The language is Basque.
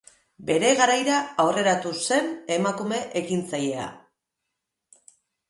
Bere garaira aurreratu zen emakume ekintzailea.